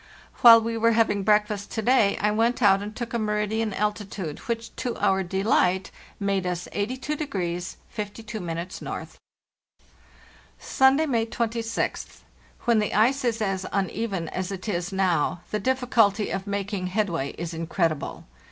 "While we were having breakfast to day I went out and took a meridian altitude, which, to our delight, made us 82° 52' N. " Sunday, May 26th. When the ice is as uneven as it is now, the difficulty of making headway is incredible.